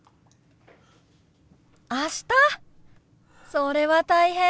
それは大変！